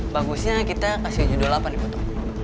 bagusnya kita kasih judul apa nih foto